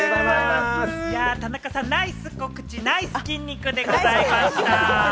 田中さん、ナイス告知、ナイス筋肉でございました！